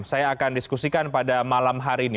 saya akan diskusikan pada malam hari ini